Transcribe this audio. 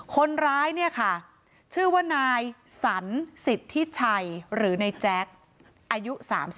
คนร้ายเนี่ยค่ะชื่อว่านายสันสิทธิชัยหรือนายแจ๊คอายุ๓๒